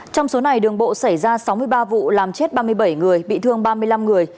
trong số này đường bộ xảy ra sáu mươi ba vụ làm chết ba mươi bảy người bị thương ba mươi năm người